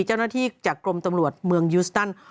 เจ้าหน้าที่จากกรมตำรวจเมืองยูสตัน